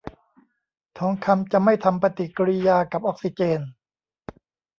ทองคำจะไม่ทำปฏิกิริยากับออกซิเจน